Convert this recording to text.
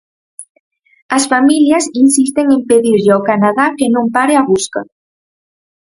As familias insisten en pedirlle ao Canadá que non pare a busca.